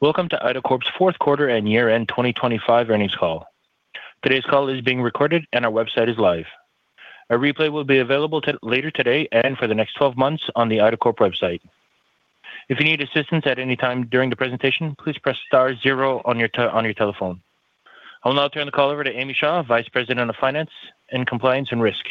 Welcome to IDACORP's fourth quarter and year-end 2025 earnings call. Today's call is being recorded and our website is live. A replay will be available to later today and for the next 12 months on the IDACORP website. If you need assistance at any time during the presentation, please press star zero on your telephone. I'll now turn the call over to Amy Shaw, Vice President of Finance, Compliance, and Risk.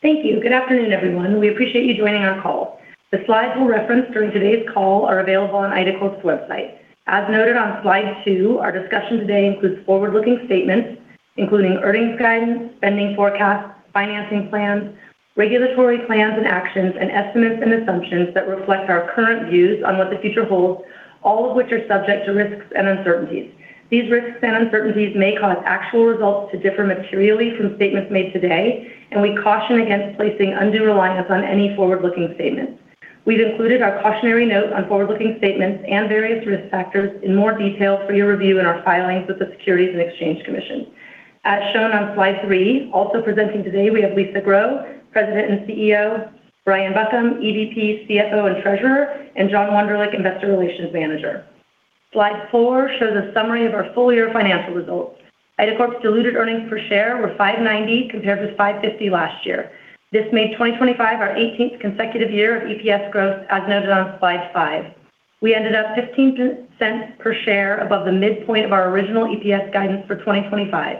Thank you. Good afternoon, everyone. We appreciate you joining our call. The slides we'll reference during today's call are available on IDACORP's website. As noted on slide two, our discussion today includes forward-looking statements, including earnings guidance, spending forecasts, financing plans, regulatory plans and actions, and estimates and assumptions that reflect our current views on what the future holds, all of which are subject to risks and uncertainties. These risks and uncertainties may cause actual results to differ materially from statements made today, and we caution against placing undue reliance on any forward-looking statements. We've included our cautionary note on forward-looking statements and various risk factors in more detail for your review in our filings with the Securities and Exchange Commission. As shown on slide three, also presenting today, we have Lisa Grow, President and CEO, Brian Buckham, SVP, CFO, and Treasurer, and John Wonderlich, Investor Relations Manager. Slide four shows a summary of our full-year financial results. IDACORP's diluted earnings per share were $5.90, compared with $5.50 last year. This made 2025 our 18th consecutive year of EPS growth, as noted on slide five. We ended up $0.15 per share above the midpoint of our original EPS guidance for 2025.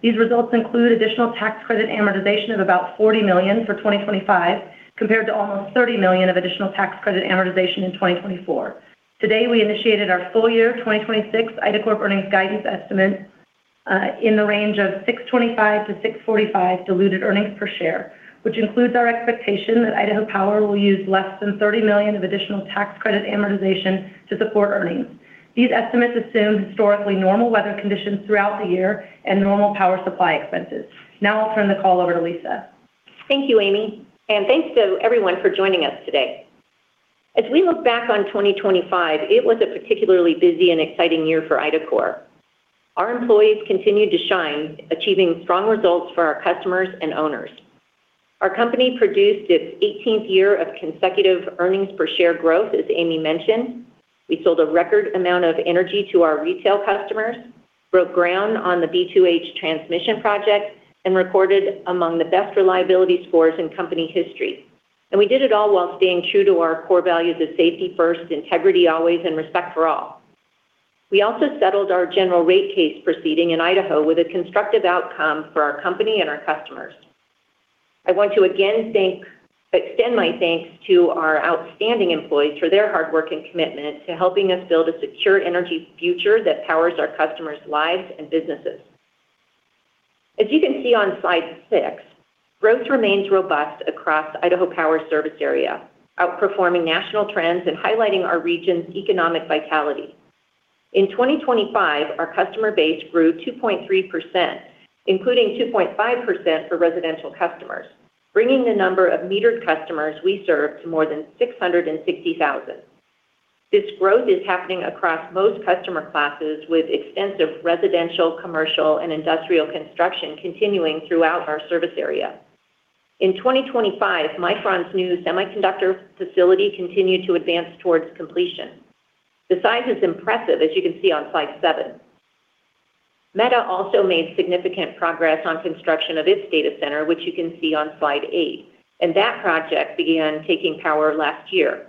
These results include additional tax credit amortization of about $40 million for 2025, compared to almost $30 million of additional tax credit amortization in 2024. Today, we initiated our full-year 2026 IDACORP earnings guidance estimate, in the range of $6.25-$6.45 diluted earnings per share, which includes our expectation that Idaho Power will use less than $30 million of additional tax credit amortization to support earnings. These estimates assume historically normal weather conditions throughout the year and normal power supply expenses. Now I'll turn the call over to Lisa. Thank you, Amy, and thanks to everyone for joining us today. As we look back on 2025, it was a particularly busy and exciting year for IDACORP. Our employees continued to shine, achieving strong results for our customers and owners. Our company produced its 18th year of consecutive earnings per share growth, as Amy mentioned. We sold a record amount of energy to our retail customers, broke ground on the B2H transmission project, and recorded among the best reliability scores in company history. We did it all while staying true to our core values of safety first, integrity always, and respect for all. We also settled our General Rate Case proceeding in Idaho with a constructive outcome for our company and our customers. I want to again thank and extend my thanks to our outstanding employees for their hard work and commitment to helping us build a secure energy future that powers our customers' lives and businesses. As you can see on slide six, growth remains robust across Idaho Power's service area, outperforming national trends and highlighting our region's economic vitality. In 2025, our customer base grew 2.3%, including 2.5% for residential customers, bringing the number of metered customers we serve to more than 660,000. This growth is happening across most customer classes, with extensive residential, commercial, and industrial construction continuing throughout our service area. In 2025, Micron's new semiconductor facility continued to advance towards completion. The size is impressive, as you can see on slide seven. Meta also made significant progress on construction of its data center, which you can see on slide eight, and that project began taking power last year.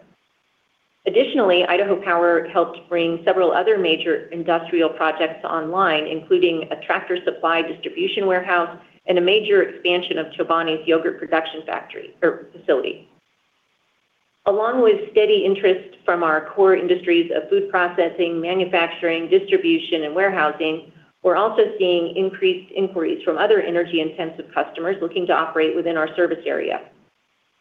Additionally, Idaho Power helped bring several other major industrial projects online, including a Tractor Supply distribution warehouse and a major expansion of Chobani's yogurt production factory or facility. Along with steady interest from our core industries of food processing, manufacturing, distribution, and warehousing, we're also seeing increased inquiries from other energy-intensive customers looking to operate within our service area.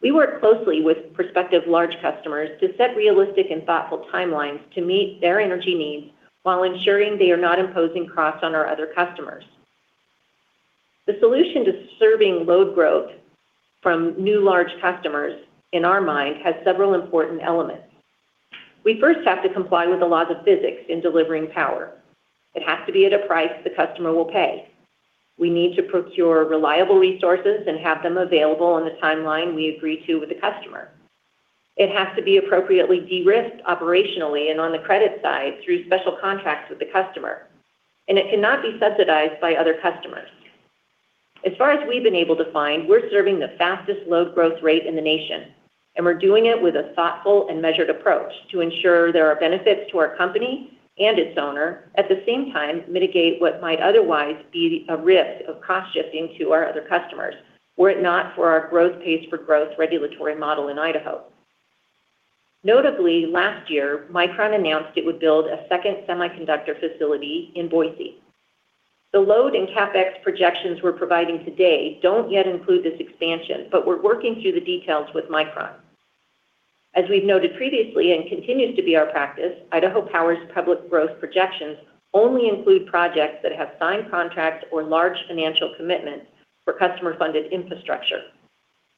We work closely with prospective large customers to set realistic and thoughtful timelines to meet their energy needs while ensuring they are not imposing costs on our other customers. The solution to serving load growth from new large customers, in our mind, has several important elements. We first have to comply with the laws of physics in delivering power. It has to be at a price the customer will pay. We need to procure reliable resources and have them available in the timeline we agree to with the customer. It has to be appropriately de-risked operationally and on the credit side through special contracts with the customer, and it cannot be subsidized by other customers. As far as we've been able to find, we're serving the fastest load growth rate in the nation, and we're doing it with a thoughtful and measured approach to ensure there are benefits to our company and its owner, at the same time, mitigate what might otherwise be a risk of cost-shifting to our other customers, were it not for our growth pace for growth regulatory model in Idaho. Notably, last year, Micron announced it would build a second semiconductor facility in Boise. The load and CapEx projections we're providing today don't yet include this expansion, but we're working through the details with Micron. As we've noted previously and continues to be our practice, Idaho Power's public growth projections only include projects that have signed contracts or large financial commitments for customer-funded infrastructure.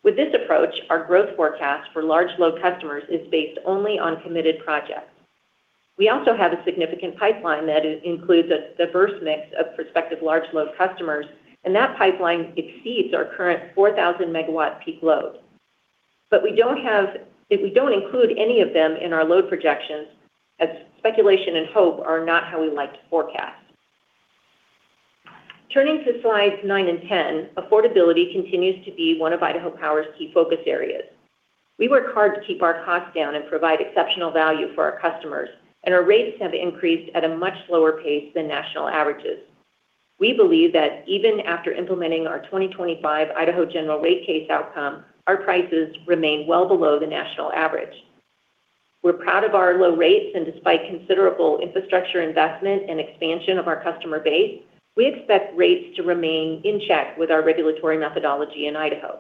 With this approach, our growth forecast for large load customers is based only on committed projects. We also have a significant pipeline that includes a diverse mix of prospective large load customers, and that pipeline exceeds our current 4,000 MW peak load. But we don't include any of them in our load projections, as speculation and hope are not how we like to forecast. Turning to slides nine and 10, affordability continues to be one of Idaho Power's key focus areas. We work hard to keep our costs down and provide exceptional value for our customers, and our rates have increased at a much slower pace than national averages. We believe that even after implementing our 2025 Idaho General Rate Case outcome, our prices remain well below the national average. We're proud of our low rates, and despite considerable infrastructure investment and expansion of our customer base, we expect rates to remain in check with our regulatory methodology in Idaho.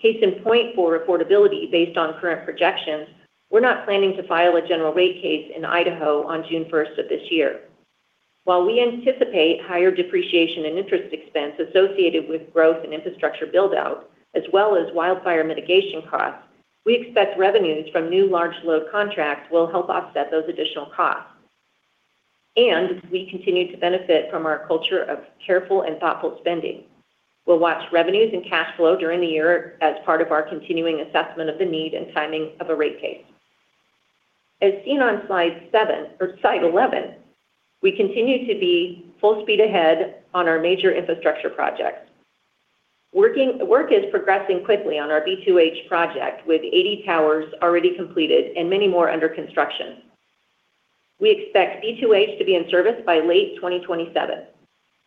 Case in point for affordability, based on current projections, we're not planning to file a General Rate Case in Idaho on June 1 of this year. While we anticipate higher depreciation and interest expense associated with growth and infrastructure build-out, as well as wildfire mitigation costs, we expect revenues from new large load contracts will help offset those additional costs. And we continue to benefit from our culture of careful and thoughtful spending. We'll watch revenues and cash flow during the year as part of our continuing assessment of the need and timing of a rate case. As seen on slide seven or slide 11, we continue to be full speed ahead on our major infrastructure projects. Work is progressing quickly on our B2H project, with 80 towers already completed and many more under construction. We expect B2H to be in service by late 2027.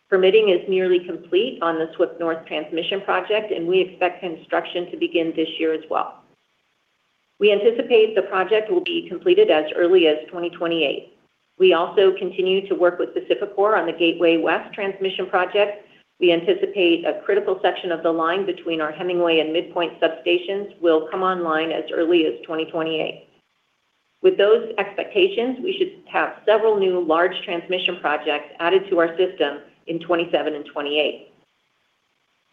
Permitting is nearly complete on the SWIP-North Transmission Project, and we expect construction to begin this year as well. We anticipate the project will be completed as early as 2028. We also continue to work with PacifiCorp on the Gateway West Transmission Project. We anticipate a critical section of the line between our Hemingway and Midpoint substations will come online as early as 2028. With those expectations, we should have several new large transmission projects added to our system in 2027 and 2028.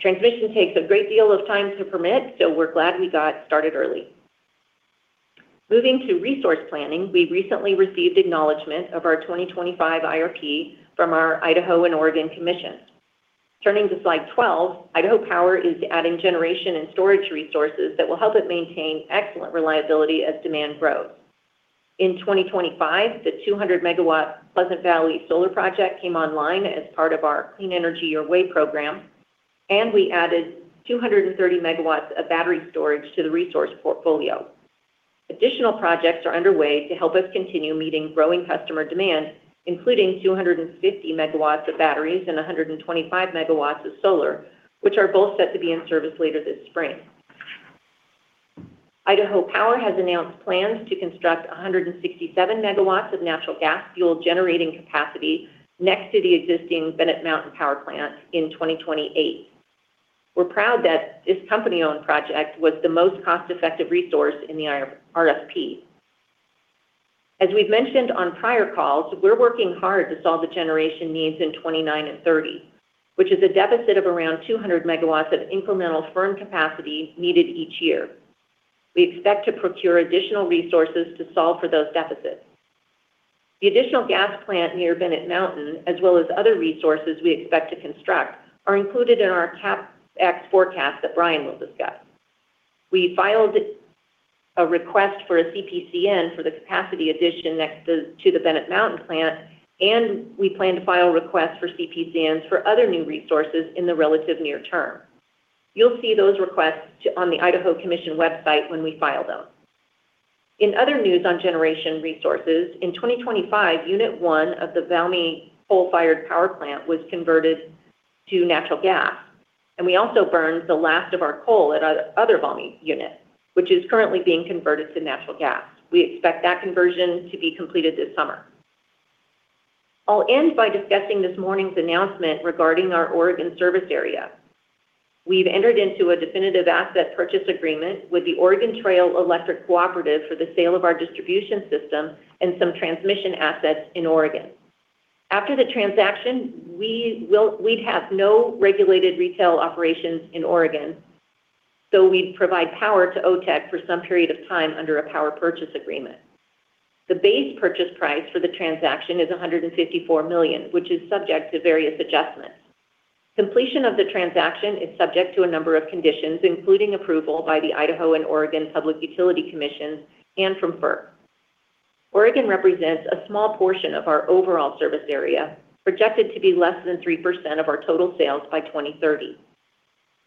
Transmission takes a great deal of time to permit, so we're glad we got started early. Moving to resource planning, we recently received acknowledgment of our 2025 IRP from our Idaho and Oregon Commission. Turning to slide 12, Idaho Power is adding generation and storage resources that will help it maintain excellent reliability as demand grows. In 2025, the 200 MW Pleasant Valley Solar Project came online as part of our Clean Energy Your Way program, and we added 230 MW of battery storage to the resource portfolio. Additional projects are underway to help us continue meeting growing customer demand, including 250 MW of batteries and 125 MW of solar, which are both set to be in service later this spring. Idaho Power has announced plans to construct 167 MW of natural gas-fueled generating capacity next to the existing Bennett Mountain Power Plant in 2028. We're proud that this company-owned project was the most cost-effective resource in the IRP RFP. As we've mentioned on prior calls, we're working hard to solve the generation needs in 2029 and 2030, which is a deficit of around 200 MW of incremental firm capacity needed each year. We expect to procure additional resources to solve for those deficits. The additional gas plant near Bennett Mountain, as well as other resources we expect to construct, are included in our CapEx forecast that Brian will discuss. We filed a request for a CPCN for the capacity addition next to the Bennett Mountain plant, and we plan to file requests for CPCNs for other new resources in the relative near term. You'll see those requests to on the Idaho Commission website when we file them. In other news on generation resources, in 2025, Unit 1 of the Valmy coal-fired power plant was converted to natural gas, and we also burned the last of our coal at our other Valmy unit, which is currently being converted to natural gas. We expect that conversion to be completed this summer. I'll end by discussing this morning's announcement regarding our Oregon service area. We've entered into a definitive asset purchase agreement with the Oregon Trail Electric Cooperative for the sale of our distribution system and some transmission assets in Oregon. After the transaction, we'd have no regulated retail operations in Oregon, so we'd provide power to OTEC for some period of time under a power purchase agreement. The base purchase price for the transaction is $154 million, which is subject to various adjustments. Completion of the transaction is subject to a number of conditions, including approval by the Idaho and Oregon Public Utility Commissions and from FERC. Oregon represents a small portion of our overall service area, projected to be less than 3% of our total sales by 2030.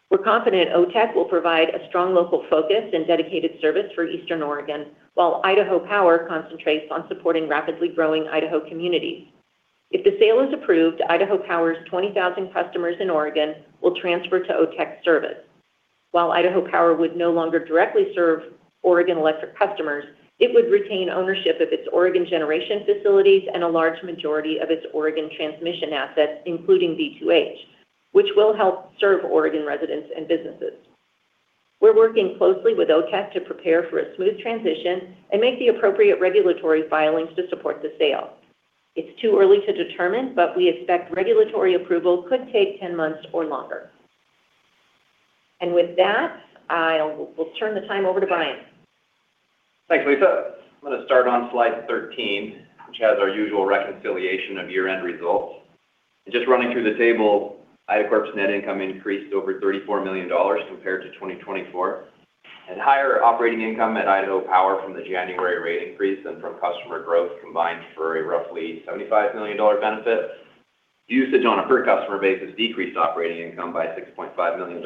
We're confident OTEC will provide a strong local focus and dedicated service for Eastern Oregon, while Idaho Power concentrates on supporting rapidly growing Idaho communities. If the sale is approved, Idaho Power's 20,000 customers in Oregon will transfer to OTEC service. While Idaho Power would no longer directly serve Oregon electric customers, it would retain ownership of its Oregon generation facilities and a large majority of its Oregon transmission assets, including B2H, which will help serve Oregon residents and businesses. We're working closely with OTEC to prepare for a smooth transition and make the appropriate regulatory filings to support the sale. It's too early to determine, but we expect regulatory approval could take 10 months or longer. And with that, we'll turn the time over to Brian.... Thanks, Lisa. I'm going to start on slide 13, which has our usual reconciliation of year-end results. Just running through the table, IDACORP's net income increased over $34 million compared to 2024, and higher operating income at Idaho Power from the January rate increase and from customer growth combined for a roughly $75 million benefit. Usage on a per customer basis decreased operating income by $6.5 million,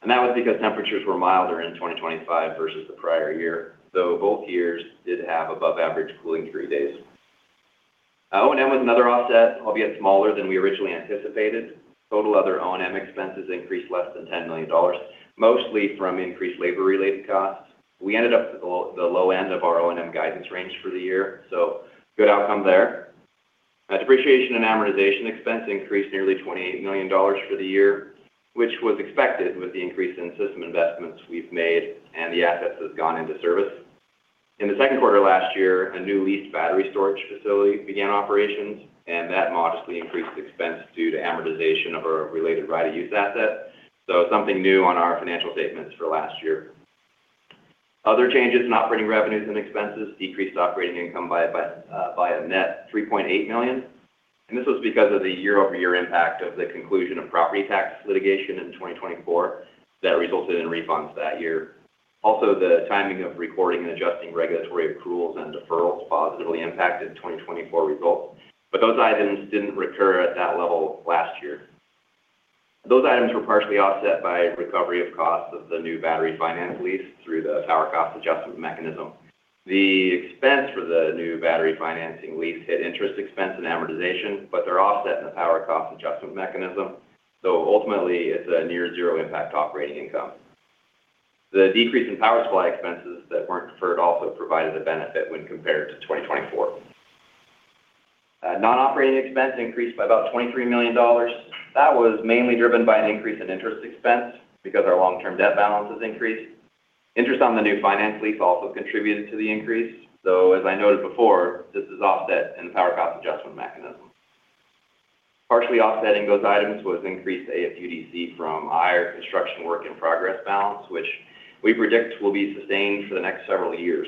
and that was because temperatures were milder in 2025 versus the prior year, though both years did have above average cooling degree days. O&M was another offset, albeit smaller than we originally anticipated. Total other O&M expenses increased less than $10 million, mostly from increased labor-related costs. We ended up at the low, the low end of our O&M guidance range for the year, so good outcome there. Depreciation and amortization expense increased nearly $28 million for the year, which was expected with the increase in system investments we've made and the assets that have gone into service. In the second quarter last year, a new leased battery storage facility began operations, and that modestly increased expense due to amortization of our related right-of-use asset. So something new on our financial statements for last year. Other changes in operating revenues and expenses decreased operating income by a net $3.8 million, and this was because of the year-over-year impact of the conclusion of property tax litigation in 2024 that resulted in refunds that year. Also, the timing of recording and adjusting regulatory accruals and deferrals positively impacted 2024 results, but those items didn't recur at that level last year. Those items were partially offset by recovery of costs of the new battery finance lease through the power cost adjustment mechanism. The expense for the new battery financing lease hit interest expense and amortization, but they're offset in the power cost adjustment mechanism, so ultimately, it's a near zero impact to operating income. The decrease in power supply expenses that weren't deferred also provided a benefit when compared to 2024. Non-operating expense increased by about $23 million. That was mainly driven by an increase in interest expense because our long-term debt balances increased. Interest on the new finance lease also contributed to the increase, so as I noted before, this is offset in the power cost adjustment mechanism. Partially offsetting those items was increased AFUDC from higher construction work-in-progress balance, which we predict will be sustained for the next several years.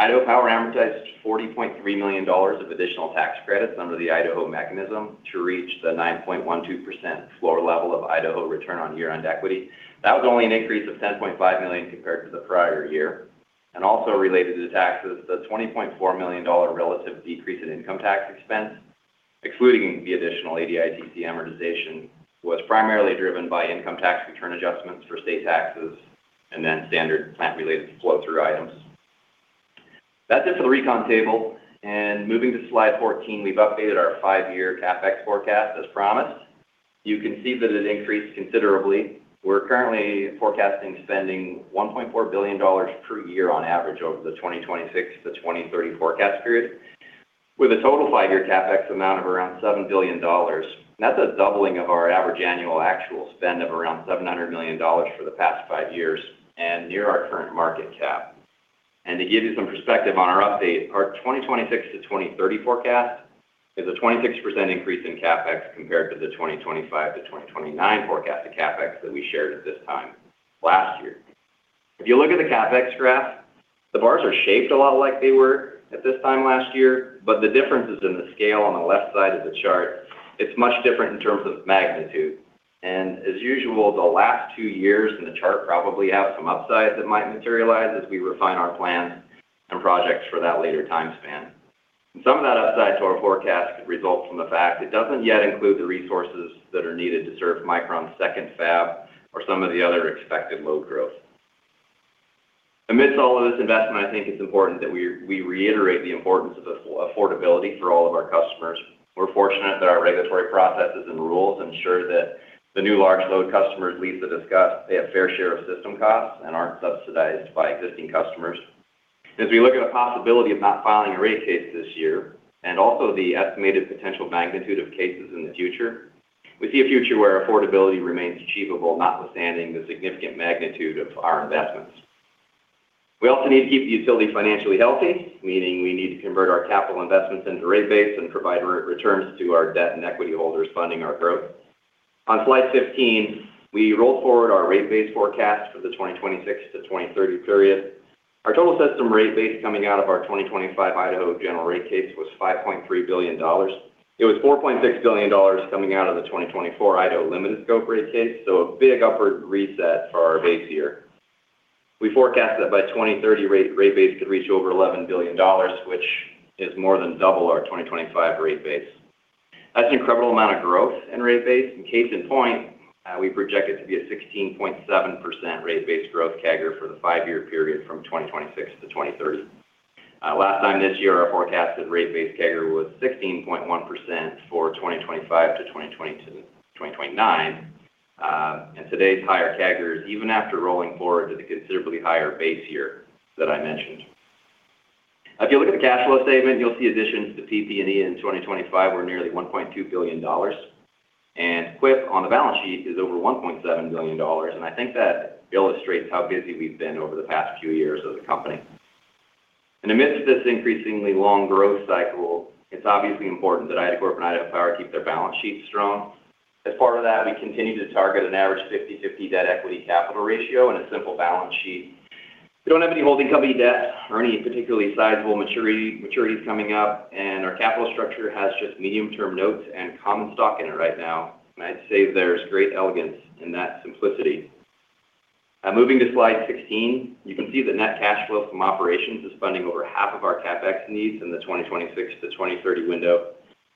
Idaho Power amortized $40.3 million of additional tax credits under the Idaho mechanism to reach the 9.12% lower level of Idaho return on year-end equity. That was only an increase of $10.5 million compared to the prior year. And also related to taxes, the $20.4 million relative decrease in income tax expense, excluding the additional ADITC amortization, was primarily driven by income tax return adjustments for state taxes and then standard plant-related flow-through items. That's it for the recon table, and moving to slide 14, we've updated our five-year CapEx forecast as promised. You can see that it increased considerably. We're currently forecasting spending $1.4 billion per year on average over the 2026 to 2030 forecast period, with a total five-year CapEx amount of around $7 billion. That's a doubling of our average annual actual spend of around $700 million for the past five years and near our current market cap. To give you some perspective on our update, our 2026-2030 forecast is a 26% increase in CapEx compared to the 2025-2029 forecast to CapEx that we shared at this time last year. If you look at the CapEx graph, the bars are shaped a lot like they were at this time last year, but the difference is in the scale on the left side of the chart. It's much different in terms of magnitude. As usual, the last two years in the chart probably have some upside that might materialize as we refine our plans and projects for that later time span. Some of that upside to our forecast could result from the fact it doesn't yet include the resources that are needed to serve Micron's second fab or some of the other expected load growth. Amidst all of this investment, I think it's important that we reiterate the importance of affordability for all of our customers. We're fortunate that our regulatory processes and rules ensure that the new large load customers like those discussed have a fair share of system costs and aren't subsidized by existing customers. As we look at the possibility of not filing a rate case this year, and also the estimated potential magnitude of cases in the future, we see a future where affordability remains achievable, notwithstanding the significant magnitude of our investments. We also need to keep the utility financially healthy, meaning we need to convert our capital investments into rate base and provide returns to our debt and equity holders funding our growth. On slide 15, we roll forward our rate base forecast for the 2026 to 2030 period. Our total system rate base coming out of our 2025 Idaho General Rate Case was $5.3 billion. It was $4.6 billion coming out of the 2024 Idaho limited scope rate case, so a big upward reset for our base year. We forecast that by 2030, rate base could reach over $11 billion, which is more than double our 2025 rate base. That's an incredible amount of growth in rate base. And case in point, we project it to be a 16.7% rate base growth CAGR for the five-year period from 2026 to 2030. Last time this year, our forecasted rate base CAGR was 16.1% for 2025 to 2029. And today's higher CAGRs, even after rolling forward to the considerably higher base year that I mentioned. If you look at the cash flow statement, you'll see additions to PP&E in 2025 were nearly $1.2 billion, and CWIP on the balance sheet is over $1.7 billion. And I think that illustrates how busy we've been over the past few years as a company.... In the midst of this increasingly long growth cycle, it's obviously important that IDACORP and Idaho Power keep their balance sheets strong. As part of that, we continue to target an average 50/50 debt equity capital ratio and a simple balance sheet. We don't have any holding company debt or any particularly sizable maturity, maturities coming up, and our capital structure has just medium-term notes and common stock in it right now, and I'd say there's great elegance in that simplicity. Now, moving to slide 16, you can see the net cash flow from operations is funding over half of our CapEx needs in the 2026-2030 window.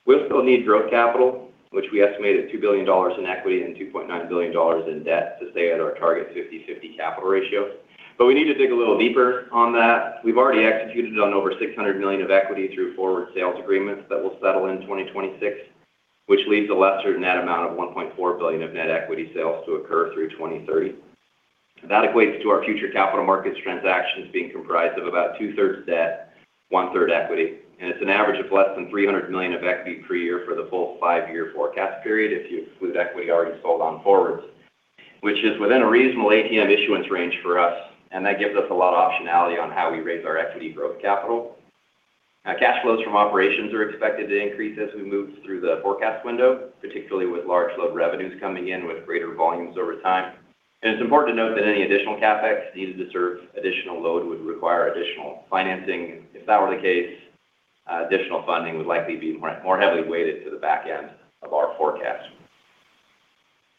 We'll still need growth capital, which we estimate at $2 billion in equity and $2.9 billion in debt to stay at our target 50/50 capital ratio. But we need to dig a little deeper on that. We've already executed on over $600 million of equity through forward sales agreements that will settle in 2026, which leaves a lesser net amount of $1.4 billion of net equity sales to occur through 2030. That equates to our future capital markets transactions being comprised of about 2/3 debt, 1/3 equity, and it's an average of less than $300 million of equity per year for the full five-year forecast period if you exclude equity already sold on forwards, which is within a reasonable ATM issuance range for us, and that gives us a lot of optionality on how we raise our equity growth capital. Now, cash flows from operations are expected to increase as we move through the forecast window, particularly with large load revenues coming in with greater volumes over time. It's important to note that any additional CapEx needed to serve additional load would require additional financing. If that were the case, additional funding would likely be more heavily weighted to the back end of our forecast.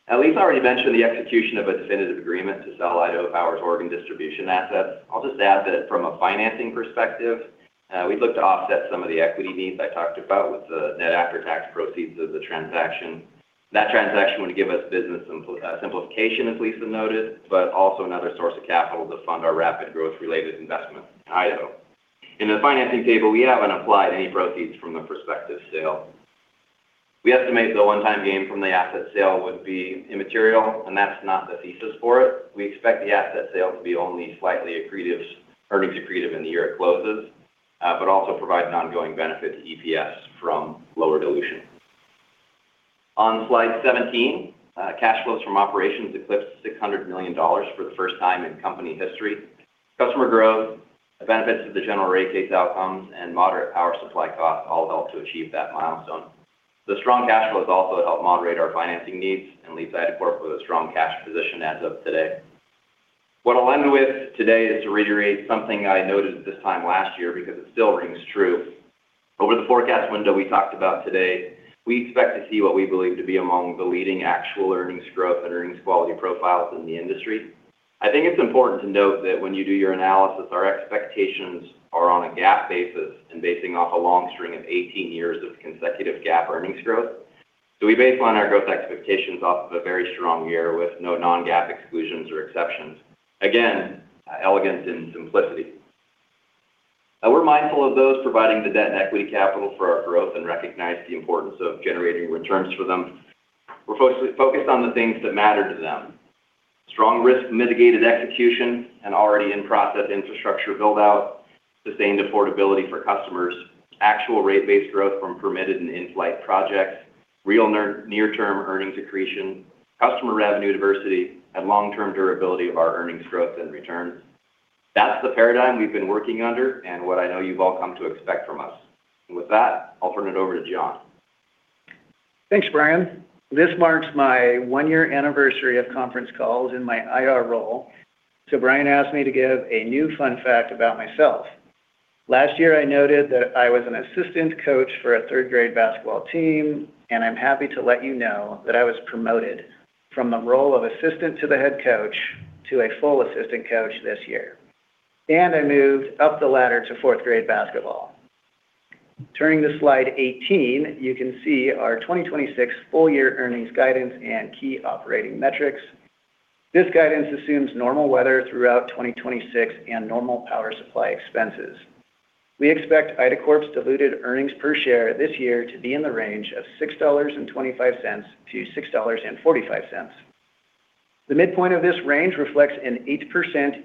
Now, Lisa already mentioned the execution of a definitive agreement to sell Idaho Power's Oregon distribution assets. I'll just add that from a financing perspective, we'd look to offset some of the equity needs I talked about with the net after-tax proceeds of the transaction. That transaction would give us business simplification, as Lisa noted, but also another source of capital to fund our rapid growth-related investments in Idaho. In the financing table, we haven't applied any proceeds from the prospective sale. We estimate the one-time gain from the asset sale would be immaterial, and that's not the thesis for it. We expect the asset sale to be only slightly accretive, earnings accretive in the year it closes, but also provide an ongoing benefit to EPS from lower dilution. On slide 17, cash flows from operations eclipsed $600 million for the first time in company history. Customer growth, the benefits of the General Rate Case outcomes, and moderate power supply costs all helped to achieve that milestone. The strong cash flows also helped moderate our financing needs and leaves IDACORP with a strong cash position as of today. What I'll end with today is to reiterate something I noted this time last year because it still rings true. Over the forecast window we talked about today, we expect to see what we believe to be among the leading actual earnings growth and earnings quality profiles in the industry. I think it's important to note that when you do your analysis, our expectations are on a GAAP basis and based off a long string of 18 years of consecutive GAAP earnings growth. So we baseline our growth expectations off of a very strong year with no non-GAAP exclusions or exceptions. Again, elegance in simplicity. Now, we're mindful of those providing the debt and equity capital for our growth and recognize the importance of generating returns for them. We're focused on the things that matter to them: strong risk-mitigated execution and already in-process infrastructure build-out, sustained affordability for customers, actual rate base growth from permitted and in-flight projects, real near-term earnings accretion, customer revenue diversity, and long-term durability of our earnings growth and returns. That's the paradigm we've been working under and what I know you've all come to expect from us. And with that, I'll turn it over to John. Thanks, Brian. This marks my one-year anniversary of conference calls in my IR role. So Brian asked me to give a new fun fact about myself. Last year, I noted that I was an assistant coach for a third-grade basketball team, and I'm happy to let you know that I was promoted from the role of assistant to the head coach to a full assistant coach this year, and I moved up the ladder to fourth-grade basketball. Turning to slide 18, you can see our 2026 full-year earnings guidance and key operating metrics. This guidance assumes normal weather throughout 2026 and normal power supply expenses. We expect IDACORP's diluted earnings per share this year to be in the range of $6.25-$6.45. The midpoint of this range reflects an 8%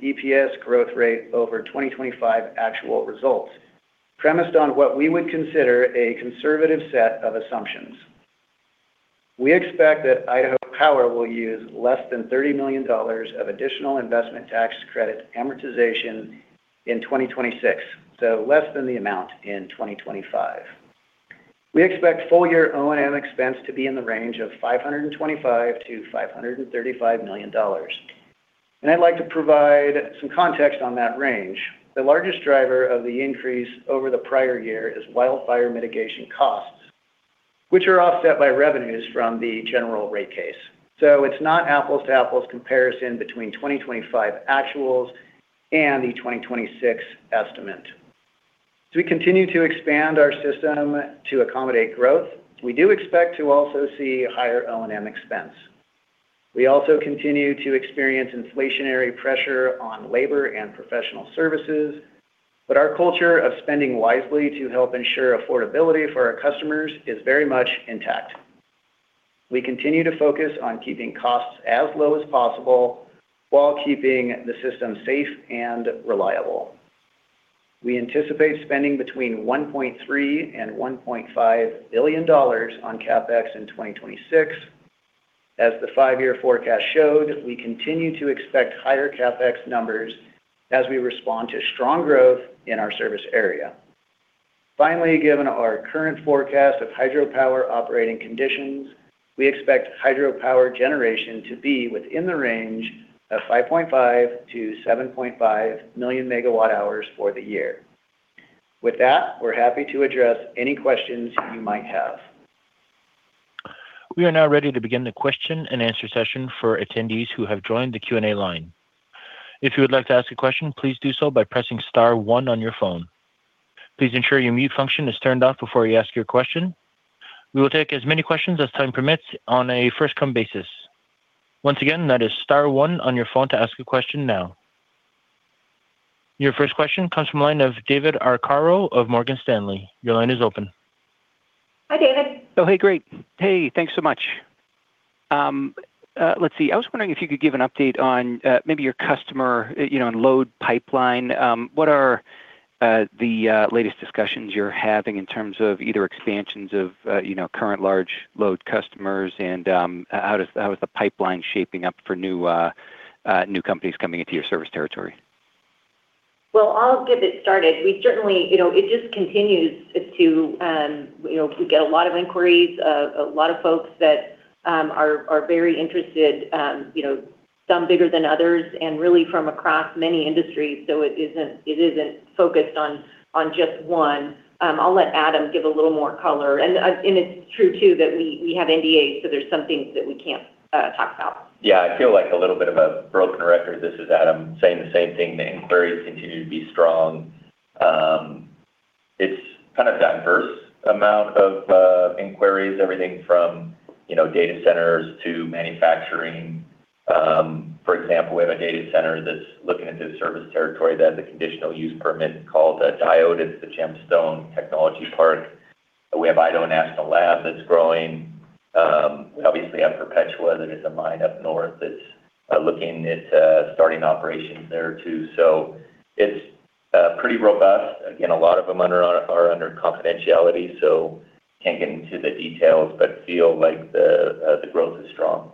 EPS growth rate over 2025 actual results, premised on what we would consider a conservative set of assumptions. We expect that Idaho Power will use less than $30 million of additional investment tax credit amortization in 2026, so less than the amount in 2025. We expect full-year O&M expense to be in the range of $525 million-$535 million, and I'd like to provide some context on that range. The largest driver of the increase over the prior year is wildfire mitigation costs, which are offset by revenues from the General Rate Case. So it's not apples-to-apples comparison between 2025 actuals and the 2026 estimate. As we continue to expand our system to accommodate growth, we do expect to also see higher O&M expense. We also continue to experience inflationary pressure on labor and professional services, but our culture of spending wisely to help ensure affordability for our customers is very much intact. We continue to focus on keeping costs as low as possible while keeping the system safe and reliable. We anticipate spending between $1.3 billion-$1.5 billion on CapEx in 2026. As the five-year forecast showed, we continue to expect higher CapEx numbers as we respond to strong growth in our service area. Finally, given our current forecast of hydropower operating conditions, we expect hydropower generation to be within the range of 5.5 million-7.5 million MWh for the year. With that, we're happy to address any questions you might have. We are now ready to begin the question and answer session for attendees who have joined the Q&A line. If you would like to ask a question, please do so by pressing star one on your phone. Please ensure your mute function is turned off before you ask your question. We will take as many questions as time permits on a first-come basis. Once again, that is star one on your phone to ask a question now. Your first question comes from line of David Arcaro of Morgan Stanley. Your line is open. Hi, David. Oh, hey, great. Hey, thanks so much. Let's see. I was wondering if you could give an update on, maybe your customer, you know, and load pipeline. What are the latest discussions you're having in terms of either expansions of, you know, current large load customers and, how is the pipeline shaping up for new companies coming into your service territory? Well, I'll get it started. We certainly, you know, it just continues to, you know, we get a lot of inquiries, a lot of folks that are very interested, you know, some bigger than others, and really from across many industries. So it isn't focused on just one. I'll let Adam give a little more color. And it's true, too, that we have NDAs, so there's some things that we can't talk about. Yeah, I feel like a little bit of a broken record. This is Adam, saying the same thing. The inquiries continue to be strong. It's kind of diverse amount of inquiries, everything from, you know, data centers to manufacturing. For example, we have a data center that's looking into the service territory that has a conditional use permit called Diode. It's the Gemstone Technology Park. We have Idaho National Lab that's growing. We obviously have Perpetua, that is a mine up north that's looking at starting operations there, too. So it's pretty robust. Again, a lot of them are under confidentiality, so can't get into the details, but feel like the growth is strong.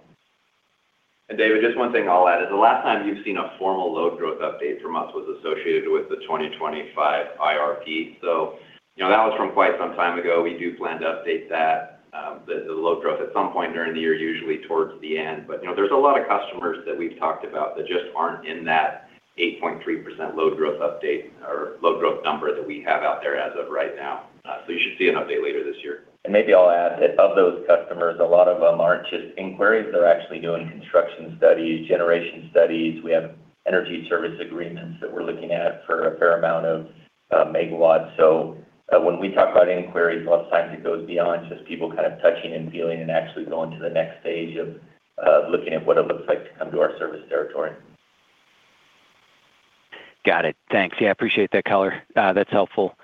David, just one thing I'll add is the last time you've seen a formal load growth update from us was associated with the 2025 IRP. So, you know, that was from quite some time ago. We do plan to update that, the load growth at some point during the year, usually towards the end. But, you know, there's a lot of customers that we've talked about that just aren't in that 8.3% load growth update or load growth number that we have out there as of right now. So you should see an update later this year. Maybe I'll add, that of those customers, a lot of them aren't just inquiries. They're actually doing construction studies, generation studies. We have energy service agreements that we're looking at for a fair amount of megawatts. So when we talk about inquiries, a lot of times it goes beyond just people touching and feeling and actually going to the next stage of looking at what it looks like to come to our service territory. Got it. Thanks. Yeah, I appreciate that color. That's helpful.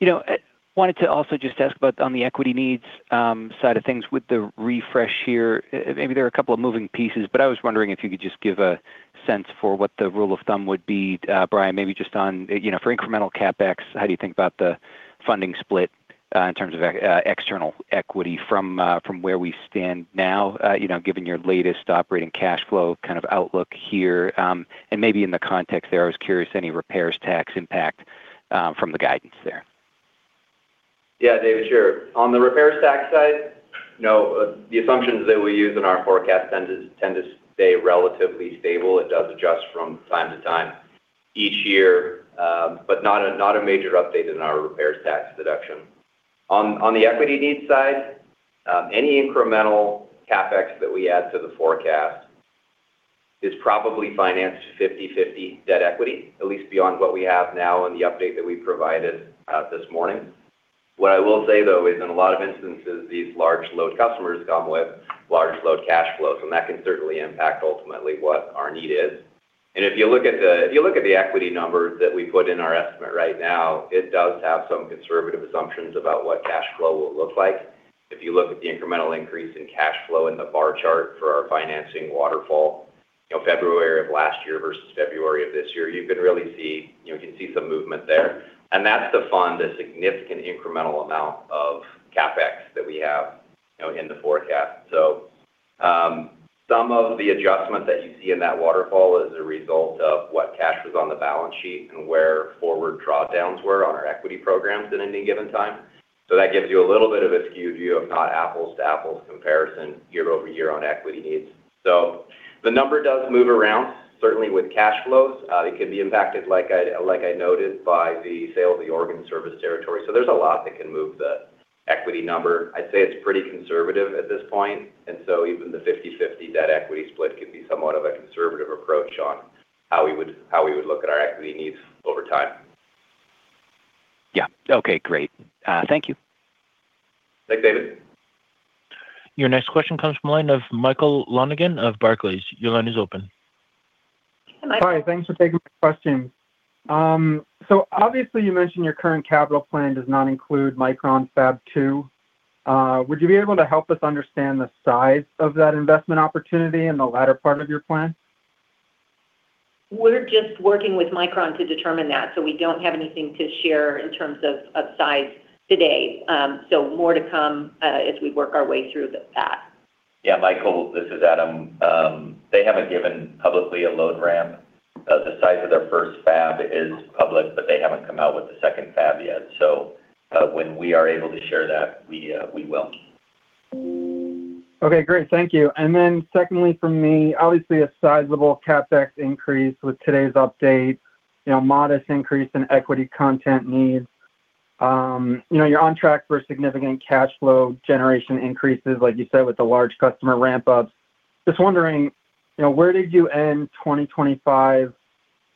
You know, I wanted to also just ask about on the equity needs, side of things with the refresh here. Maybe there are a couple of moving pieces, but I was wondering if you could just give a sense for what the rule of thumb would be, Brian, maybe just on, you know, for incremental CapEx, how do you think about the funding split, in terms of external equity from where we stand now, you know, given your latest operating cash flow kind of outlook here? And maybe in the context there, I was curious, any repatriation tax impact from the guidance there? Yeah, David, sure. On the repairs tax side, no, the assumptions that we use in our forecast tend to stay relatively stable. It does adjust from time to time each year, but not a major update in our repairs tax deduction. On the equity needs side, any incremental CapEx that we add to the forecast is probably financed 50/50 debt equity, at least beyond what we have now in the update that we provided this morning. What I will say, though, is in a lot of instances, these large load customers come with large load cash flows, and that can certainly impact ultimately what our need is. And if you look at the equity numbers that we put in our estimate right now, it does have some conservative assumptions about what cash flow will look like. If you look at the incremental increase in cash flow in the bar chart for our financing waterfall, you know, February of last year versus February of this year, you can really see, you can see some movement there. And that's to fund a significant incremental amount of CapEx that we have, you know, in the forecast. So, some of the adjustment that you see in that waterfall is a result of what cash was on the balance sheet and where forward drawdowns were on our equity programs at any given time. So that gives you a little bit of a skewed view, of not apples-to-apples comparison year over year on equity needs. So the number does move around, certainly with cash flows. It could be impacted, like I, like I noted, by the sale of the Oregon service territory. There's a lot that can move the equity number. I'd say it's pretty conservative at this point, and so even the 50/50 debt equity split can be somewhat of a conservative approach on how we would look at our equity needs over time. Yeah. Okay, great. Thank you. Thanks, David. Your next question comes from the line of Michael Lonegan of Barclays. Your line is open. Hi, Michael. Hi, thanks for taking my question. So obviously, you mentioned your current capital plan does not include Micron fab 2. Would you be able to help us understand the size of that investment opportunity in the latter part of your plan?... We're just working with Micron to determine that, so we don't have anything to share in terms of size today. So more to come as we work our way through that. Yeah, Michael, this is Adam. They haven't given publicly a load ramp. The size of their first fab is public, but they haven't come out with the second fab yet. So, when we are able to share that, we, we will. Okay, great. Thank you. And then secondly, for me, obviously, a sizable CapEx increase with today's update, you know, modest increase in equity content needs. You know, you're on track for significant cash flow generation increases, like you said, with the large customer ramp-ups. Just wondering, you know, where did you end 2025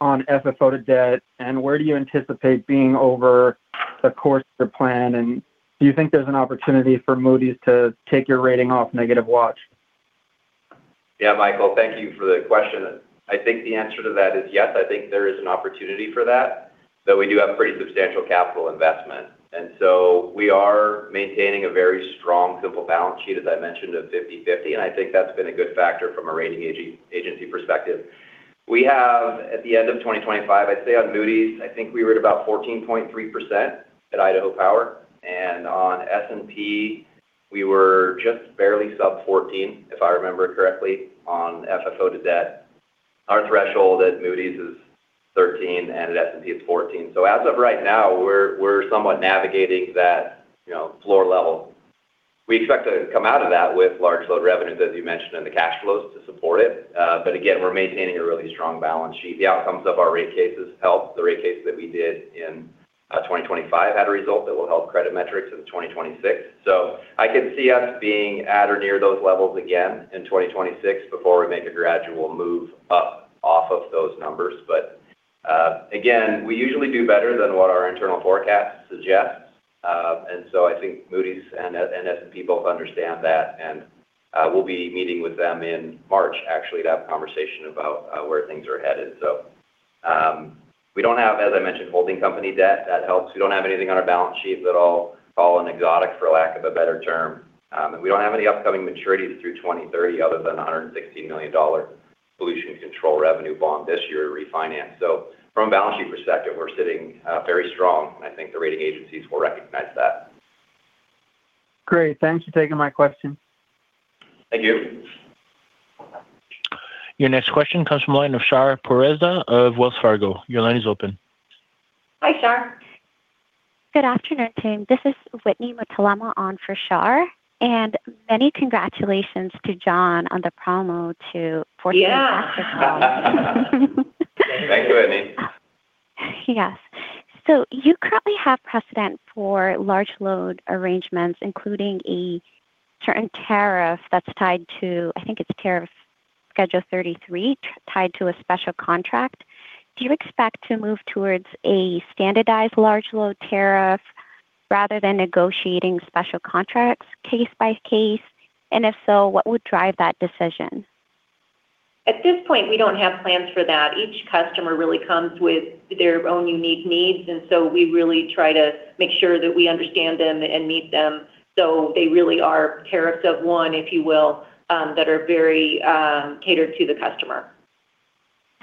on FFO to debt, and where do you anticipate being over the course of the plan? And do you think there's an opportunity for Moody's to take your rating off negative watch? Yeah, Michael, thank you for the question. I think the answer to that is yes, I think there is an opportunity for that, but we do have a pretty substantial capital investment, and so we are maintaining a very strong simple balance sheet, as I mentioned, of 50/50, and I think that's been a good factor from a rating agency perspective. We have, at the end of 2025, I'd say on Moody's, I think we were at about 14.3% at Idaho Power, and on S&P, we were just barely sub 14, if I remember correctly, on FFO to debt. Our threshold at Moody's is 13, and at S&P, it's 14. So as of right now, we're, we're somewhat navigating that, you know, floor level. We expect to come out of that with large load revenues, as you mentioned, and the cash flows to support it. But again, we're maintaining a really strong balance sheet. The outcomes of our rate cases help. The rate case that we did in 2025 had a result that will help credit metrics in 2026. So I can see us being at or near those levels again in 2026 before we make a gradual move up off of those numbers. But again, we usually do better than what our internal forecasts suggest. And so I think Moody's and S&P both understand that, and we'll be meeting with them in March, actually, to have a conversation about where things are headed. So we don't have, as I mentioned, holding company debt. That helps. We don't have anything on our balance sheet that all fall in exotic, for lack of a better term. We don't have any upcoming maturities through 2030, other than a $116 million pollution control revenue bond this year to refinance. So from a balance sheet perspective, we're sitting very strong, and I think the rating agencies will recognize that. Great. Thanks for taking my question. Thank you. Your next question comes from the line of Shar Pourreza of Wells Fargo. Your line is open. Hi, Shar. Good afternoon, team. This is Whitney Mutalemwa on for Shar, and many congratulations to John on the promo to 14. Yeah. Thank you, Whitney. Yes. So you currently have precedent for large load arrangements, including a certain tariff that's tied to, I think it's Tariff Schedule 33, tied to a special contract. Do you expect to move towards a standardized large load tariff rather than negotiating special contracts case by case? And if so, what would drive that decision? At this point, we don't have plans for that. Each customer really comes with their own unique needs, and so we really try to make sure that we understand them and meet them. So they really are tariffs of one, if you will, that are very catered to the customer.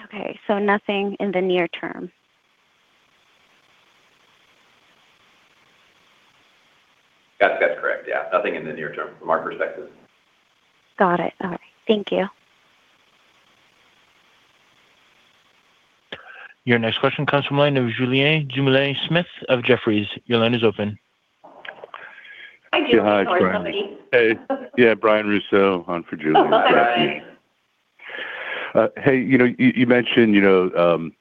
Okay. So nothing in the near term? That's correct. Yeah. Nothing in the near term, from our perspective. Got it. All right. Thank you. Your next question comes from the line of Julien Smith of Jefferies. Your line is open. Hi, Julien. Sorry, somebody. Hey. Yeah, Brian Russo on for Julien. Hey, you know, you mentioned, you know,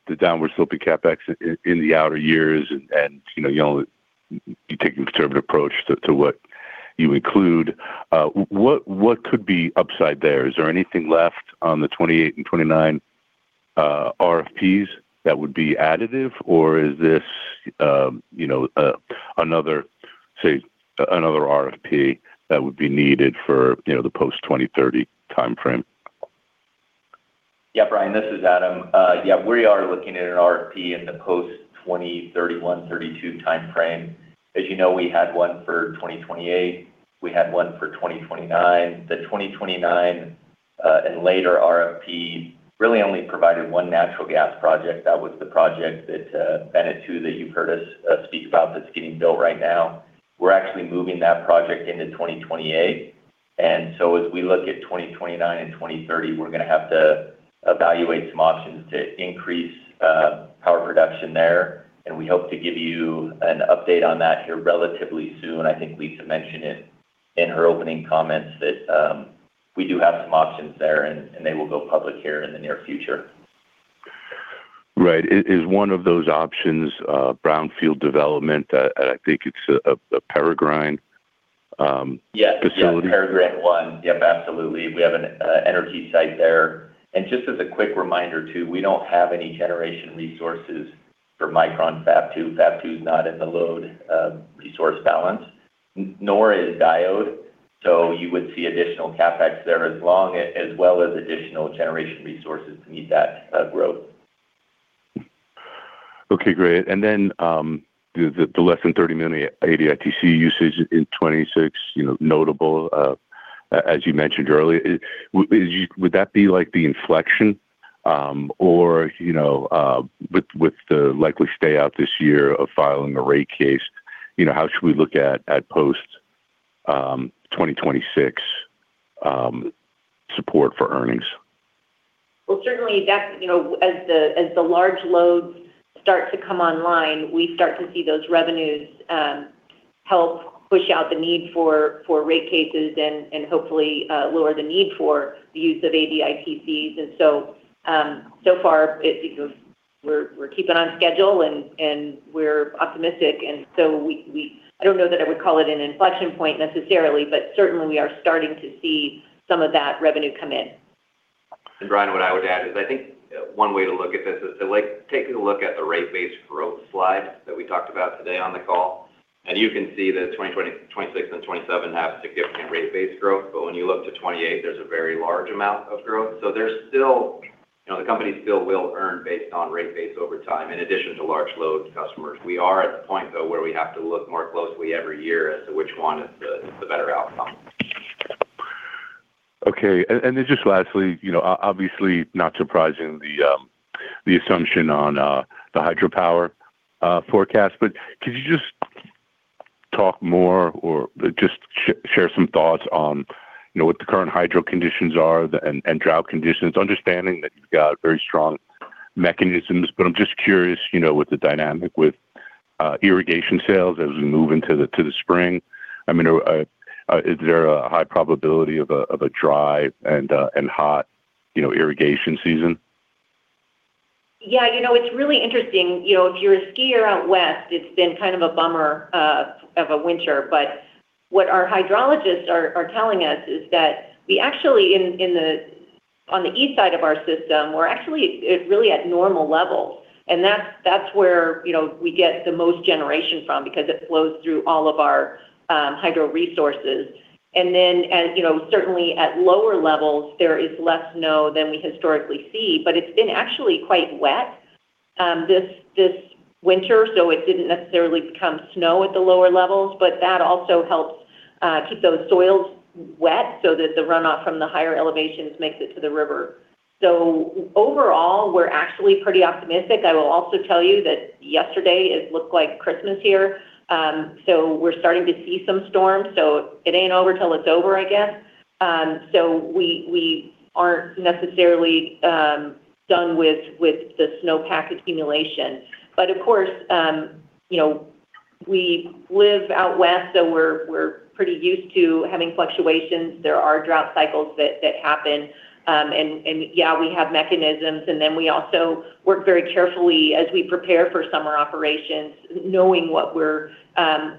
the downward slope of CapEx in the outer years, and you know, you only take a conservative approach to what you include. What could be upside there? Is there anything left on the 2028 and 2029 RFPs that would be additive, or is this, you know, another, say, another RFP that would be needed for, you know, the post-2030 timeframe? Yeah, Brian, this is Adam. Yeah, we are looking at an RFP in the post-2031-2032 timeframe. As you know, we had one for 2028. We had one for 2029. The 2029 and later RFP really only provided one natural gas project. That was the project that Bennett 2, that you've heard us speak about, that's getting built right now. We're actually moving that project into 2028, and so as we look at 2029 and 2030, we're going to have to evaluate some options to increase power production there, and we hope to give you an update on that here relatively soon. I think Lisa mentioned it in her opening comments that we do have some options there, and they will go public here in the near future. Right. Is one of those options brownfield development? I think it's a Peregrine facility. Yes, yeah, Peregrine one. Yep, absolutely. We have an energy site there. And just as a quick reminder, too, we don't have any generation resources for Micron fab 2. Fab 2 is not in the load resource balance, nor is Diode. So you would see additional CapEx there as well as additional generation resources to meet that growth.... Okay, great. And then, the less than $30 million ADITC usage in 2026, you know, notable, as you mentioned earlier, is—would that be like the inflection, or, you know, with the likely stay out this year of filing a rate case, you know, how should we look at post-2026 support for earnings? Well, certainly that, you know, as the large loads start to come online, we start to see those revenues help push out the need for rate cases and hopefully lower the need for the use of ADITCs. And so, so far it, you know, we're keeping on schedule and we're optimistic, and so we—I don't know that I would call it an inflection point necessarily, but certainly we are starting to see some of that revenue come in. Brian, what I would add is, I think one way to look at this is to, like, take a look at the rate base growth slide that we talked about today on the call. You can see that 2020, 2026, and 2027 have significant rate base growth. But when you look to 2028, there's a very large amount of growth. So there's still, you know, the company still will earn based on rate base over time, in addition to large load customers. We are at the point, though, where we have to look more closely every year as to which one is the better outcome. Okay. And then just lastly, you know, obviously not surprising, the assumption on the hydropower forecast, but could you just talk more or just share some thoughts on, you know, what the current hydro conditions are and drought conditions, understanding that you've got very strong mechanisms. But I'm just curious, you know, with the dynamic with irrigation sales as we move into the spring. I mean, is there a high probability of a dry and hot, you know, irrigation season? Yeah, you know, it's really interesting. You know, if you're a skier out west, it's been kind of a bummer of a winter. But what our hydrologists are telling us is that we actually on the east side of our system, we're actually at really normal levels, and that's where, you know, we get the most generation from because it flows through all of our hydro resources. And then, as you know, certainly at lower levels, there is less snow than we historically see, but it's been actually quite wet this winter, so it didn't necessarily become snow at the lower levels, but that also helps keep those soils wet so that the runoff from the higher elevations makes it to the river. So overall, we're actually pretty optimistic. I will also tell you that yesterday, it looked like Christmas here. So we're starting to see some storms, so it ain't over till it's over, I guess. So we aren't necessarily done with the snowpack accumulation. But of course, you know, we live out west, so we're pretty used to having fluctuations. There are drought cycles that happen. And yeah, we have mechanisms, and then we also work very carefully as we prepare for summer operations, knowing what we're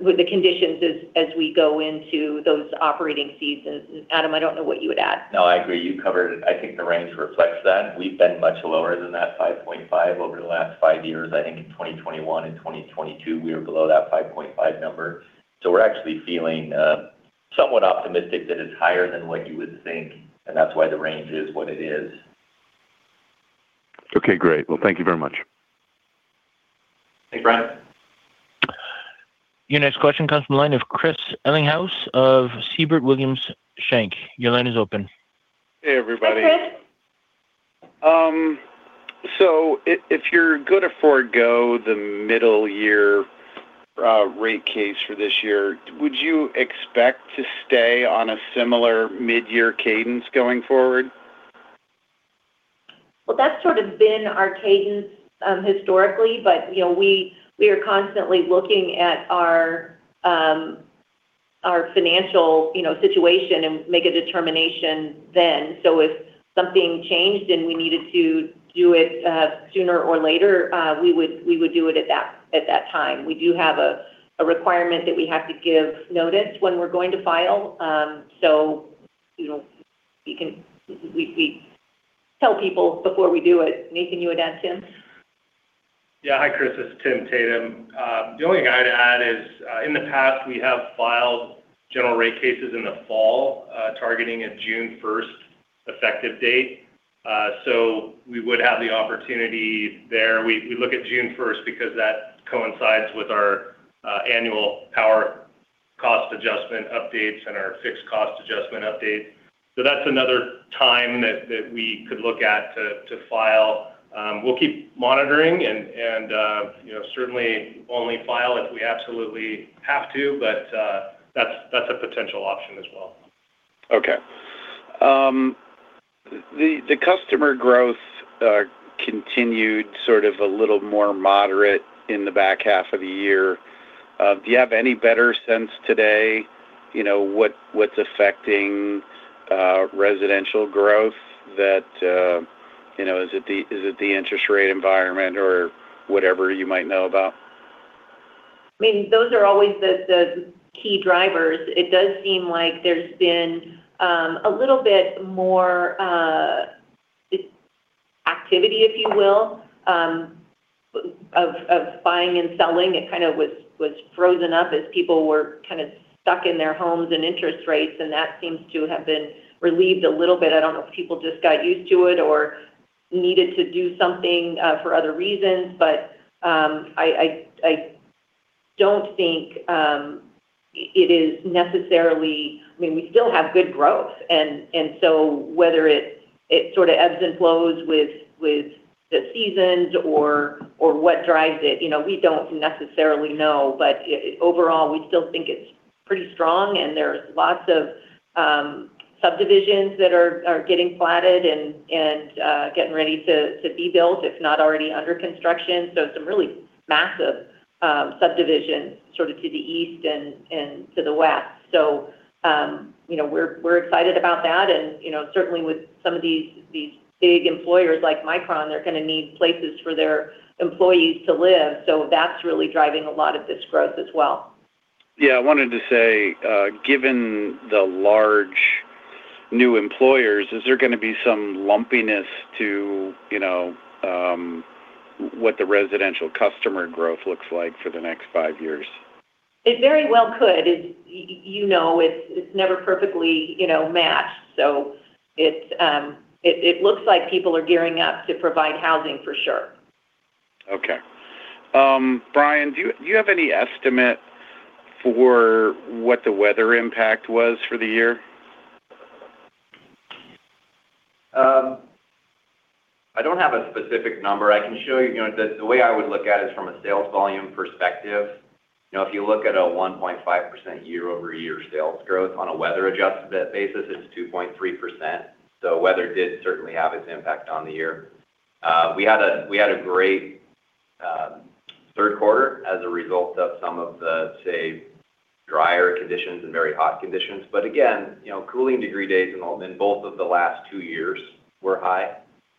with the conditions as we go into those operating seasons. Adam, I don't know what you would add. No, I agree. You covered it. I think the range reflects that. We've been much lower than that 5.5 over the last five years. I think in 2021 and 2022, we were below that 5.5 number. So we're actually feeling somewhat optimistic that it's higher than what you would think, and that's why the range is what it is. Okay, great. Well, thank you very much. Thanks, Brian. Your next question comes from the line of Chris Ellinghaus of Siebert Williams Shank. Your line is open. Hey, everybody. Hi, Chris. If you're going to forego the mid-year rate case for this year, would you expect to stay on a similar mid-year cadence going forward? Well, that's sort of been our cadence historically, but, you know, we are constantly looking at our financial, you know, situation and make a determination then. So if something changed and we needed to do it sooner or later, we would do it at that time. We do have a requirement that we have to give notice when we're going to file, so, you know, we can, we tell people before we do it. Tim, you would add to him? Yeah. Hi, Chris, it's Tim Tatum. The only thing I'd add is, in the past, we have filed General Rate Cases in the fall, targeting a June first effective date. So we would have the opportunity there. We look at June first because that coincides with our annual power cost adjustment updates and our fixed cost adjustment update. So that's another time that we could look at to file. We'll keep monitoring and, you know, certainly only file if we absolutely have to, but that's a potential option as well. Okay. The customer growth continued sort of a little more moderate in the back half of the year. Do you have any better sense today, you know, what, what's affecting residential growth that, you know, is it the interest rate environment or whatever you might know about? I mean, those are always the key drivers. It does seem like there's been a little bit more activity, if you will, of buying and selling. It kind of was frozen up as people were kind of stuck in their homes and interest rates, and that seems to have been relieved a little bit. I don't know if people just got used to it or needed to do something for other reasons, but I... Don't think it is necessarily. I mean, we still have good growth, and so whether it sort of ebbs and flows with the seasons or what drives it, you know, we don't necessarily know, but overall, we still think it's pretty strong, and there's lots of subdivisions that are getting platted and getting ready to be built, if not already under construction. So some really massive subdivisions sort of to the east and to the west. So, you know, we're excited about that, and, you know, certainly with some of these big employers like Micron, they're going to need places for their employees to live. So that's really driving a lot of this growth as well. Yeah, I wanted to say, given the large new employers, is there going to be some lumpiness to, you know, what the residential customer growth looks like for the next five years? It very well could. It, you know, it's never perfectly, you know, matched, so it looks like people are gearing up to provide housing for sure. Okay. Brian, do you, do you have any estimate for what the weather impact was for the year? I don't have a specific number. I can show you, you know, the way I would look at it is from a sales volume perspective. You know, if you look at a 1.5% year-over-year sales growth on a weather-adjusted basis, it's 2.3%. So weather did certainly have its impact on the year. We had a great third quarter as a result of some of the, say, drier conditions and very hot conditions. But again, you know, cooling degree days in both of the last two years were high,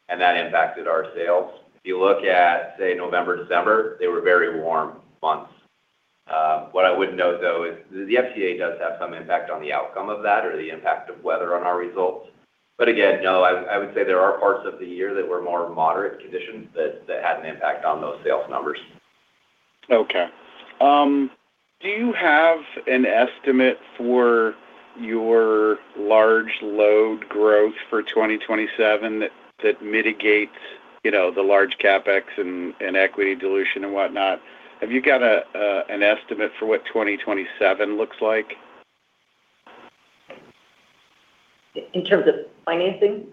and that impacted our sales. If you look at, say, November, December, they were very warm months. What I would note, though, is the FCA does have some impact on the outcome of that or the impact of weather on our results. But again, no, I would say there are parts of the year that were more moderate conditions that had an impact on those sales numbers. Okay. Do you have an estimate for your large load growth for 2027 that, that mitigates, you know, the large CapEx and, and equity dilution and whatnot? Have you got a, an estimate for what 2027 looks like? In terms of financing?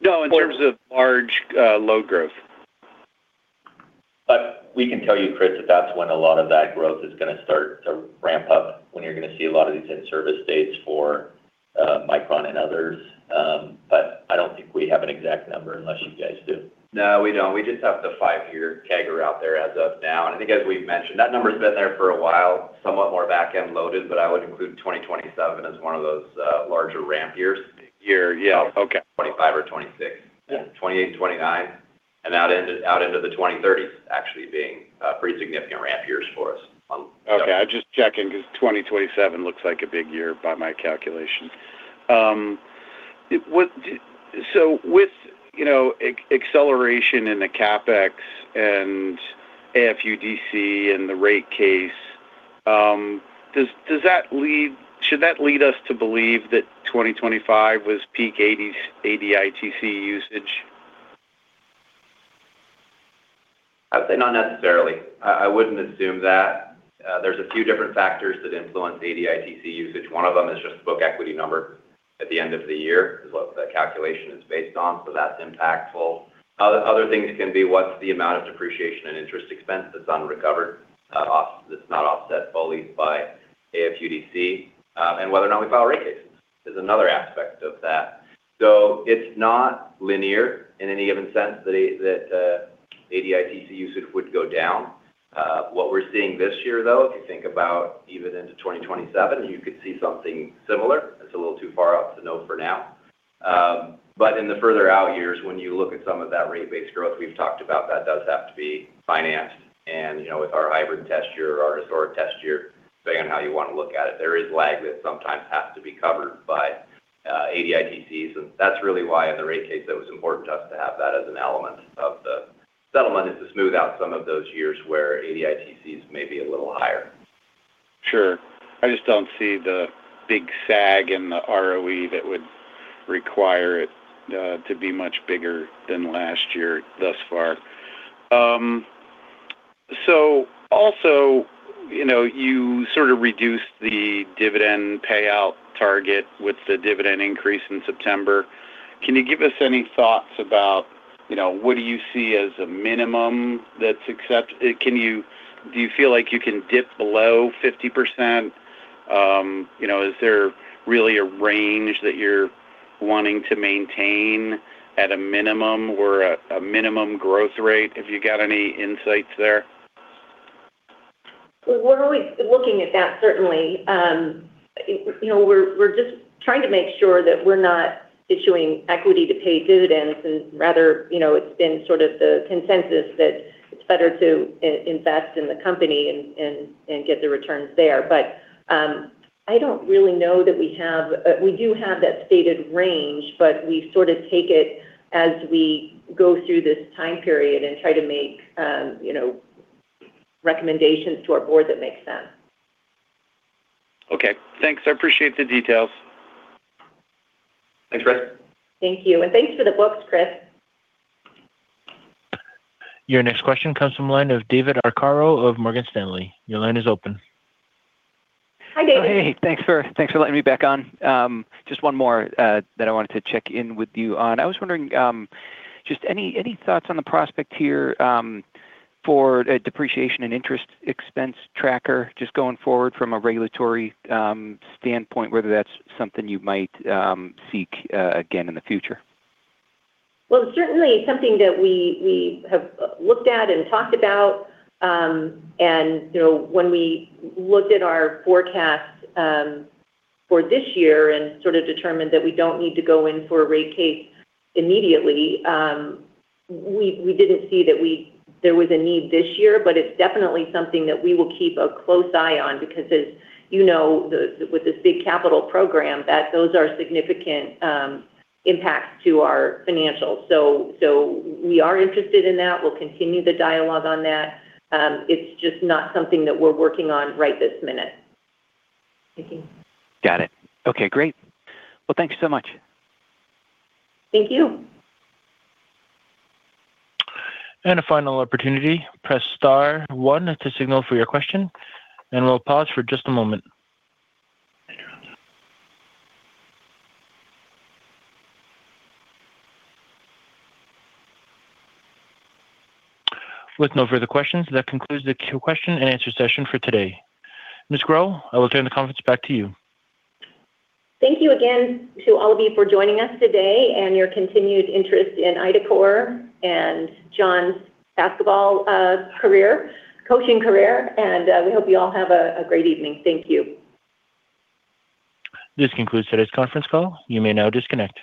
No, in terms of large load growth. But we can tell you, Chris, that that's when a lot of that growth is going to start to ramp up, when you're going to see a lot of these in-service dates for Micron and others. I don't think we have an exact number, unless you guys do. No, we don't. We just have the five-year CAGR out there as of now. And I think as we've mentioned, that number's been there for a while, somewhat more back-end loaded, but I would include 2027 as one of those larger ramp years. Year, yeah. Okay. 2025 or 2026. Yeah. 2028, 2029, and out into, out into the 2030s actually being pretty significant ramp years for us on- Okay. I'm just checking because 2027 looks like a big year by my calculation. It, what, so with, you know, acceleration in the CapEx and AFUDC and the rate case, does that lead - should that lead us to believe that 2025 was peak ADITC usage? I'd say not necessarily. I wouldn't assume that. There's a few different factors that influence ADITC usage. One of them is just book equity number at the end of the year, is what the calculation is based on, so that's impactful. Other things can be, what's the amount of depreciation and interest expense that's unrecovered, that's not offset fully by AFUDC, and whether or not we file rate cases is another aspect of that. So it's not linear in any given sense that that ADITC usage would go down. What we're seeing this year, though, if you think about even into 2027, you could see something similar. It's a little too far out to know for now. But in the further out years, when you look at some of that rate base growth, we've talked about that does have to be financed. And, you know, with our hybrid test year, our historic test year, depending on how you want to look at it, there is lag that sometimes has to be covered by ADITCs. And that's really why in the rate case, it was important to us to have that as an element of the settlement, is to smooth out some of those years where ADITCs may be a little higher. Sure. I just don't see the big sag in the ROE that would require it to be much bigger than last year thus far. So also, you know, you sort of reduced the dividend payout target with the dividend increase in September. Can you give us any thoughts about, you know, what do you see as a minimum that's accept-- can you-- do you feel like you can dip below 50%? You know, is there really a range that you're wanting to maintain at a minimum or a minimum growth rate? Have you got any insights there? We're always looking at that, certainly. You know, we're just trying to make sure that we're not issuing equity to pay dividends, and rather, you know, it's been sort of the consensus that it's better to invest in the company and get the returns there. But, I don't really know that we have... We do have that stated range, but we sort of take it as we go through this time period and try to make, you know, recommendations to our board that make sense. Okay. Thanks. I appreciate the details. Thanks, Chris. Thank you, and thanks for the books, Chris. Your next question comes from the line of David Arcaro of Morgan Stanley. Your line is open. Hi, David. Hey, thanks for letting me back on. Just one more that I wanted to check in with you on. I was wondering, just any, any thoughts on the prospect here, for a depreciation and interest expense tracker, just going forward from a regulatory standpoint, whether that's something you might seek again in the future? Well, certainly something that we have looked at and talked about. And, you know, when we looked at our forecast for this year and sort of determined that we don't need to go in for a rate case immediately, we didn't see that there was a need this year, but it's definitely something that we will keep a close eye on because, as you know, with this big capital program, those are significant impacts to our financials. So we are interested in that. We'll continue the dialogue on that. It's just not something that we're working on right this minute. Thank you. Got it. Okay, great. Well, thank you so much. Thank you. A final opportunity, press star one to signal for your question, and we'll pause for just a moment. With no further questions, that concludes the Q&A session for today. Ms. Grow, I will turn the conference back to you. Thank you again to all of you for joining us today and your continued interest in IDACORP and John's basketball career, coaching career, and we hope you all have a great evening. Thank you. This concludes today's conference call. You may now disconnect.